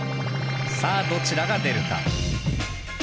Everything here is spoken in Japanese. さあどちらが出るか。